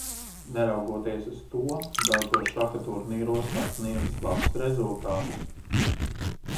Neraugoties uz to, daudzos šaha turnīros sasniedzis labus rezultātus.